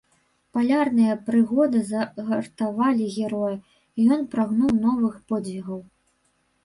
Палярныя прыгоды загартавалі героя, і ён прагнуў новых подзвігаў.